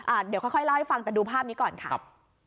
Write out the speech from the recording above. เดี๋ยวค่อยค่อยเล่าให้ฟังแต่ดูภาพนี้ก่อนค่ะครับ